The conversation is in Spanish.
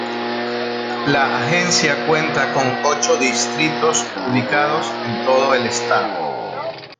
La agencia cuenta con ocho distritos ubicados en todo el estado.